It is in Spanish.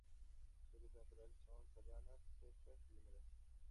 Su hábitat natural son: sabanas secas y húmedas.